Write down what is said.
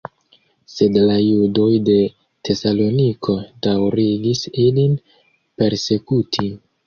Sed la judoj de Tesaloniko daŭrigis ilin persekuti.